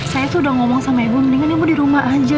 saya tuh udah ngomong sama ibu mendingan ibu di rumah aja